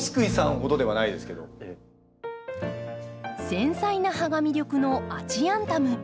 繊細な葉が魅力のアジアンタム。